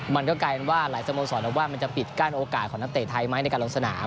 มันก็กลายเป็นว่าหลายสโมสรบอกว่ามันจะปิดกั้นโอกาสของนักเตะไทยไหมในการลงสนาม